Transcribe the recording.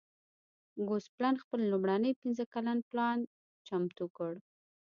ګوسپلن خپل لومړنی پنځه کلن پلان چمتو کړ.